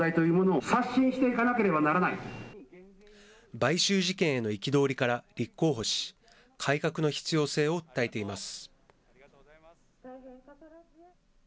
買収事件への憤りから立候補し、改革の必要性を訴えています。